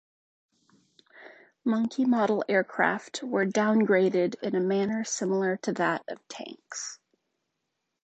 Monkey-model aircraft were downgraded in a manner similar to that of tanks.